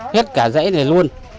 hết cả rễ này luôn